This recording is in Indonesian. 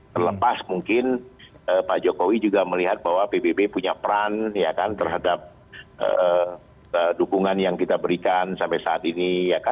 terlepas mungkin pak jokowi juga melihat bahwa pbb punya peran terhadap dukungan yang kita berikan sampai saat ini